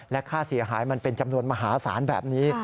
และค่าเสียหายมันเป็นจำนวนมหาศาลแบบนี้